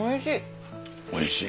おいしい！